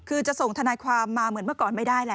คือจะส่งทนายความมาเหมือนเมื่อก่อนไม่ได้แล้ว